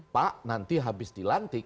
pak nanti habis dilantik